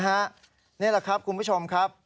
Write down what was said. นี่แหละครับคุณผู้ชมครับ